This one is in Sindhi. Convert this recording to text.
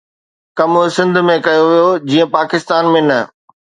ڪم سنڌ ۾ ڪيو ويو جيئن پاڪستان ۾ نه